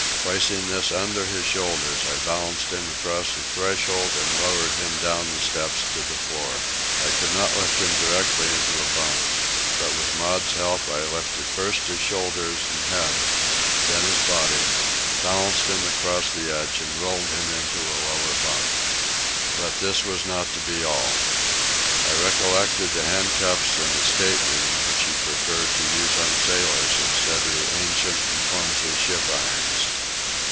Placing this under his shoulders, I balanced him across the threshold and lowered him down the steps to the floor. I could not lift him directly into a bunk, but with Maud's help I lifted first his shoulders and head, then his body, balanced him across the edge, and rolled him into a lower bunk. But this was not to be all. I recollected the handcuffs in his state room, which he preferred to use on sailors instead of the ancient and clumsy ship irons.